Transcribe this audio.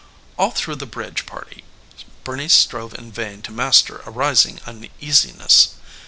All through the bridge party Bernice strove in vain to master a rising uneasiness.